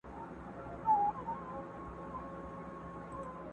چي لومړۍ ورځ مي هگۍ ورته راغلا کړه!.